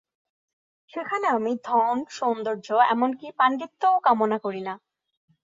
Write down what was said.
সেখানে আমি ধন, সৌন্দর্য, এমন কি পাণ্ডিত্যও কামনা করি না।